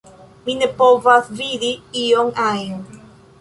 Mi ne povas vidi ion ajn